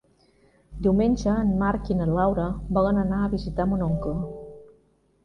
Diumenge en Marc i na Laura volen anar a visitar mon oncle.